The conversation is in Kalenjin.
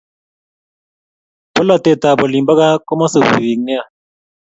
Polatet ab olin bo gaa koma subi bik nea